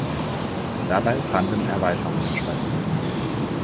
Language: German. Dabei fanden Erweiterungen statt.